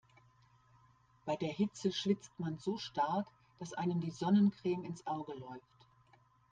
Bei der Hitze schwitzt man so stark, dass einem die Sonnencreme ins Auge läuft.